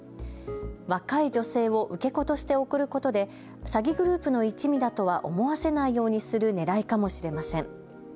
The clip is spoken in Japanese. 若い女性を受け子として送ることで詐欺グループの一味だとは思わせないようにするねらいかもしれません。